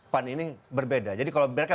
pan ini berbeda jadi kalau mereka